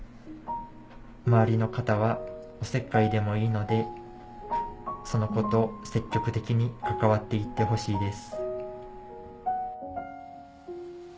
周りの方はおせっかいでもいいのでその子と積極的に関わって行ってほしいです。